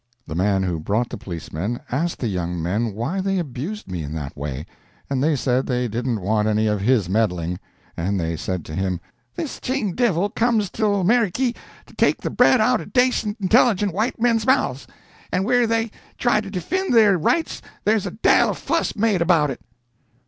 The man who brought the policemen asked the young men why they abused me in that way, and they said they didn't want any of his meddling. And they said to him: "This Ching divil comes till Ameriky to take the bread out o' dacent intilligent white men's mouths, and whir they try to defind their rights there's a dale o' fuss made about it."